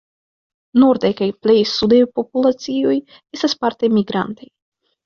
Nordaj kaj plej sudaj populacioj estas parte migrantaj.